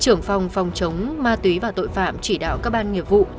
trưởng phòng phòng chống ma túy và tội phạm chỉ đạo các ban nghiệp vụ